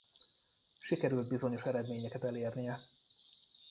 Sikerült bizonyos eredményeket elérnie.